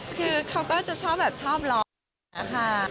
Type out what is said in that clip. คือเขาก็จะชอบแบบชอบร้องค่ะ